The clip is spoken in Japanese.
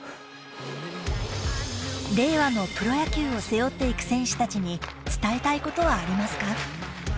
令和のプロ野球を背負っていく選手たちに伝えたい事はありますか？